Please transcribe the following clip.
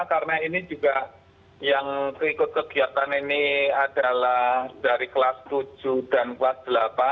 karena ini juga yang ikut kegiatan ini adalah dari kelas tujuh dan kelas delapan